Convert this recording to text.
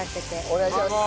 お願いします。